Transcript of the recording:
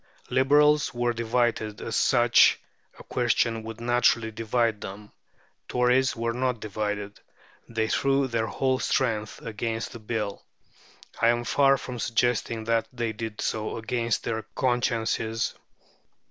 Liberals were divided, as such a question would naturally divide them. Tories were not divided; they threw their whole strength against the Bill. I am far from suggesting that they did so against their consciences.